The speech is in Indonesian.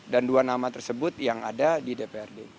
dan dua nama tersebut yang ada di dprd